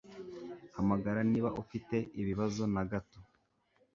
Hamagara niba ufite ibibazo na gato